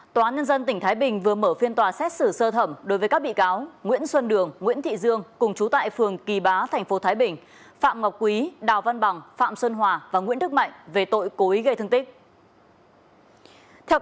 tòa án nhân dân tỉnh thái bình vừa mở phiên tòa xét xử sơ thẩm đối với các bị cáo nguyễn xuân đường nguyễn thị dương cùng chú tại phường kỳ bá tp thái bình phạm ngọc quý đào văn bằng phạm xuân hòa và nguyễn đức mạnh về tội cố ý gây thương tích